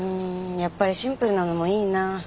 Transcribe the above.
やっぱりシンプルなのもいいな。